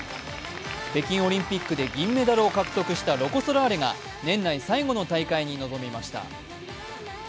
北京オリンピックで銀メダルを獲得したロコ・ソラーレが年内最後の大会に臨みました。